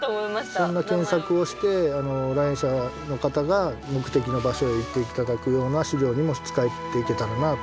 そんな検索をして来園者の方が目的の場所へ行って頂くような資料にも使っていけたらなと思っています。